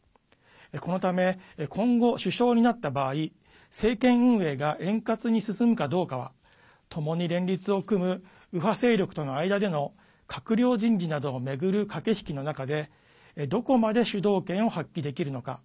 このため今後、首相になった場合政権運営が円滑に進むかどうかはともに連立を組む右派勢力との間での閣僚人事などを巡る駆け引きの中でどこまで主導権を発揮できるのか。